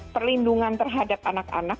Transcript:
perlindungan terhadap anak anak